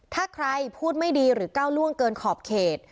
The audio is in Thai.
ถ้าใครพูดไม่ดีหรือก้าวล่วงเกินขอบเขต